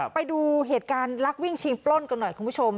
ไปดูเหตุการณ์ลักวิ่งชิงปล้นกันหน่อยคุณผู้ชม